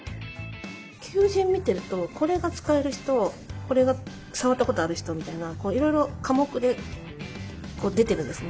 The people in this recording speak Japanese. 求人見てるとこれが使える人これが触ったことある人みたいないろいろ科目で出てるんですね。